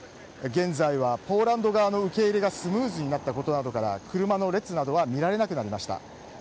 現在はポーランド側の受け入れがスムーズになり車の列などは見られなくなりました。